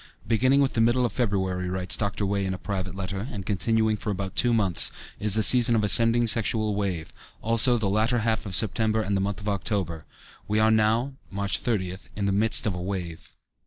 "Beginning with the middle of February," writes Dr. Wey in a private letter, "and continuing for about two months, is a season of ascending sexual wave; also the latter half of September and the month of October. We are now (March 30th) in the midst of a wave."